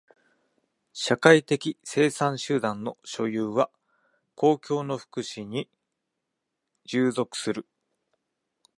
社会的生産手段の所有は公共の福祉に従属する。